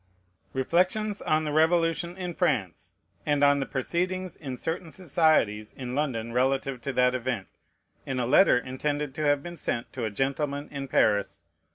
REFLECTIONS ON THE REVOLUTION IN FRANCE, THE PROCEEDINGS IN CERTAIN SOCIETIES IN LONDON RELATIVE TO THAT EVENT: IN A LETTER INTENDED TO HAVE BEEN SENT TO A GENTLEMAN IN PARIS.